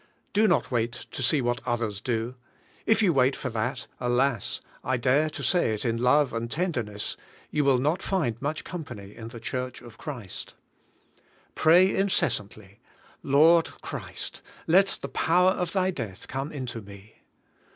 Do not wait to see what others do; if you wait for that, — alas! I desire to say it in love and tenderness, — you will not find much com pany in the Church of Christ. Pray incessantly: "Lord Christ, let the power of Thy death come into me."